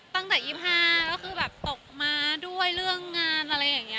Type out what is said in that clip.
ตั้งแต่๒๕แล้วคือตกมาด้วยเรื่องงานอะไรอย่างนี้ค่ะ